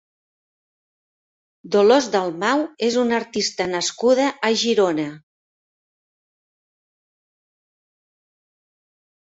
Dolors Dalmau és una artista nascuda a Girona.